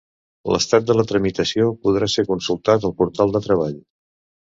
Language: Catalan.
L'estat de la tramitació podrà ser consultat al portal de Treball.